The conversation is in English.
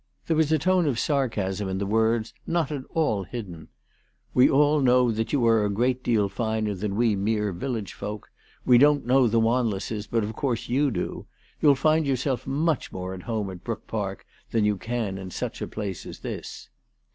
There was a tone of sarcasm in the words not at all hidden. " We all know that you are a great deal finer than we mere village folk. We don't know the Wanlesses, but of course you do. You'll find yourself much more at home at Brook Park than you can in such a place as this."